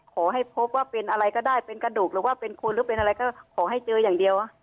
ขอให้พบว่าเป็นอะไรก็ได้เป็นกระดูกหรือว่าเป็นคนหรือเป็นอะไรก็ขอให้เจออย่างเดียว